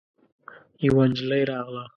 يوه نجلۍ راغله.